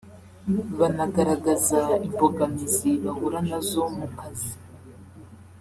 banagaragaza imbogamizi bahura na zo mu kazi